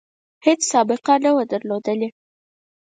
هیڅ سابقه نه وه درلودلې.